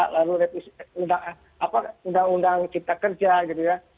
lalu revisi undang undang cipta kerja gitu ya